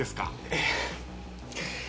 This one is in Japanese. ええ。